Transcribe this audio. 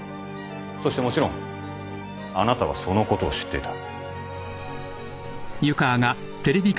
そしてもちろんあなたはそのことを知っていた。